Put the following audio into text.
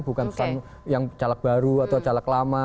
bukan pesan yang caleg baru atau caleg lama